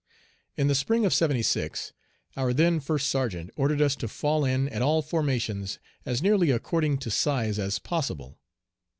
In the spring of '76, our then first sergeant ordered us to fall in at all formations as nearly according to size as possible.